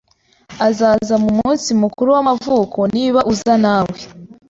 Azaza mu munsi mukuru w'amavuko niba uza, nawe.